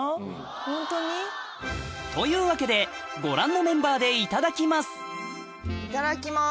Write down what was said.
ホントに？というわけでご覧のメンバーでいただきますいただきます。